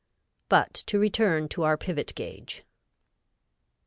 But to return to our pivot gauge.